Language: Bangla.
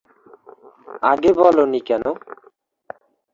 আগে বলোনি কেন?